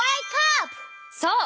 そう。